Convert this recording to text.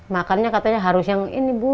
makannya katanya harus yang ini bu